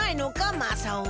まさおは。